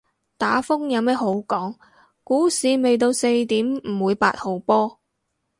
打風有咩好講，股市未到四點唔會八號波